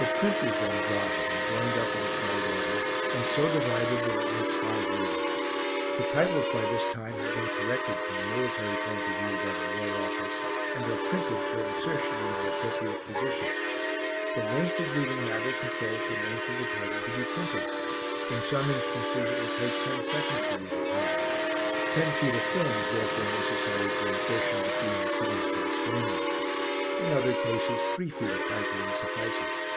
The print is then dried and joined up in its right order, and so divided that it makes five reels. The titles by this time have been corrected from the military point of view by the War Office, and are printed for insertion in their appropriate position. The length of reading matter controls the length of the title to be printed. In some instances it will take ten seconds to read a title. Ten feet of film is therefore necessary for insertion between the scenes to explain them. In other cases three feet of titling suffices.